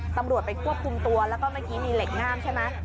ตำรวจไปควบคุมตัวแล้วก็เมื่อกี้มีเหล็กง่ามใช่ไหม